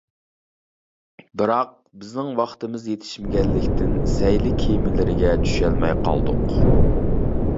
بىراق، بىزنىڭ ۋاقتىمىز يېتىشمىگەنلىكتىن سەيلە كېمىلىرىگە چۈشەلمەي قالدۇق.